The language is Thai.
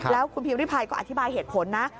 แล้วคุณพิวริภัยก็อธิบายเหตุผลนะ